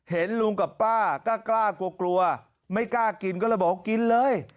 เห็นลุงกับป้ากล้ากลัวกลัวไม่กล้ากินก็เลยบอกกินเลย